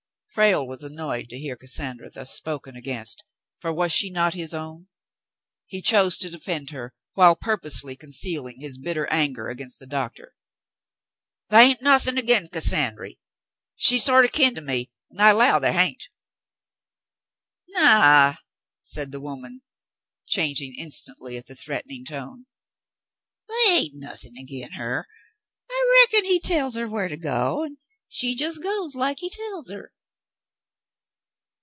Frale was annoyed to hear Cassandra thus spoken against, for was she not his own ? He chose to defend her, while purposely concealing his bitter anger against the doctor. " The' hain't nothin' agin Cassandry. She's sorter kin to me, an' I 'low the' hain't." "Naw," said the woman, changing instantly at the threatening tone, " the' hain't nothin' agin her. I reckon he tells her whar to go, an' she jes' goes like he tells her."